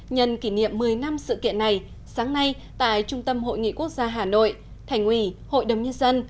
nhân kỷ niệm một mươi năm sự kiện này sáng nay tại trung tâm hội nghị quốc gia hà nội thành ủy hội đồng nhân dân